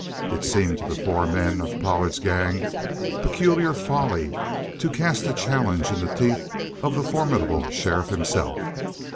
It seemed to the four men of Pollard's gang a peculiar folly to cast a challenge in the teeth of the formidable sheriff himself.